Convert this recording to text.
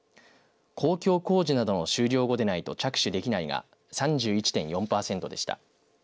公共工事などの終了後でないと着手できないが３１．４パーセントでした。